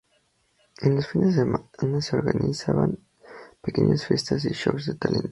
En los fines de semana se organizaban pequeñas fiestas y shows de talento.